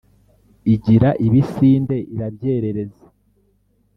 Igira ibisinde irabyerereza